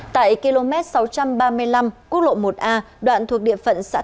tại km sáu trăm ba mươi năm quốc lộ một a đoạn thuộc địa phận xã